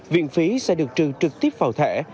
viện phí sẽ được trừ trực tiếp vào thẻ